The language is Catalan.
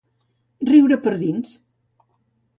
Riure per dins.